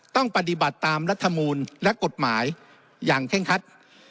ต้องปฏิบัติตามรัฐมนูลและกฎหมายอย่างเคร่งคัด